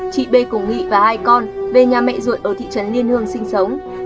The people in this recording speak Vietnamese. chị b cùng nghị và hai con về nhà mẹ ruột ở thị trấn liên hương sinh sống